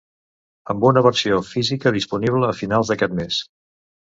Amb una versió física disponible a finals d'aquest mes.